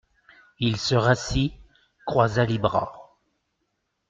Il se rassit, croisa les bras.